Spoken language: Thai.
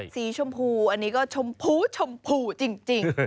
สีชมพูอันนี้ก็ชมพูชมพูจริง